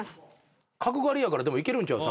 角刈りやからいけるんちゃう？